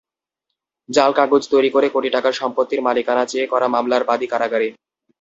জাল কাগজ তৈরি করে কোটি টাকার সম্পত্তির মালিকানা চেয়ে করা মামলার বাদী কারাগারে।